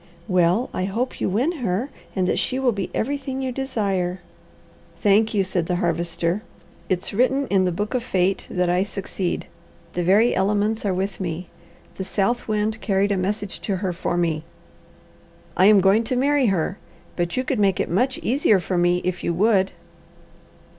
"Well I hope you win her, and that she will be everything you desire." "Thank you," said the Harvester. "It's written in the book of fate that I succeed. The very elements are with me. The South Wind carried a message to her for me. I am going to marry her, but you could make it much easier for me if you would."